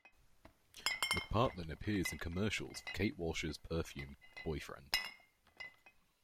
McPartlin appears in commercials for Kate Walsh's perfume "Boyfriend".